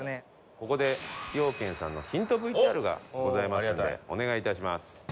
ここで崎陽軒さんのヒントＶＴＲがございますのでお願い致します。